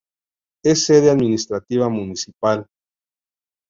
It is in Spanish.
Es sede administrativa municipal.